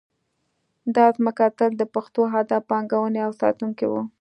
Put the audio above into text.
دا ځمکه تل د پښتو ادب پالونکې او ساتونکې وه